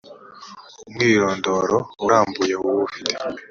umwirondoro urambuye w ufite